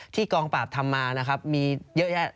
กองปราบทำมานะครับมีเยอะแยะ